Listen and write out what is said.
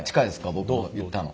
僕言ったの。